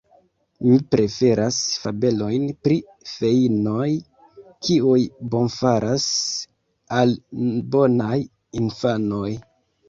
Mi preferas fabelojn pri feinoj, kiuj bonfaras al bonaj infanoj.